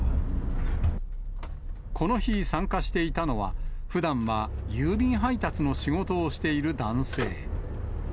この日参加していたのは、ふだんは郵便配達の仕事をしている男性。